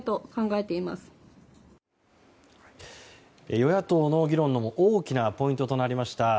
与野党の議論の大きなポイントとなりました